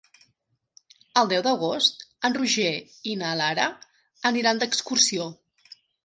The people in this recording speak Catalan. El deu d'agost en Roger i na Lara aniran d'excursió.